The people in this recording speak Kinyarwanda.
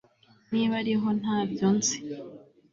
Niba ariho ntabyo nzi